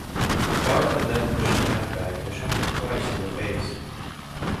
Gardner then pushed her head back and shot her twice in the face.